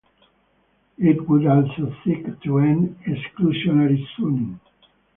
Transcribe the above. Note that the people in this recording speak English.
It would also seek to end exclusionary zoning.